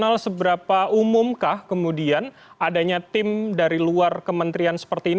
nah seberapa umumkah kemudian adanya tim dari luar kementerian seperti ini